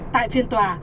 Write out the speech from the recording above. tại phiên tòa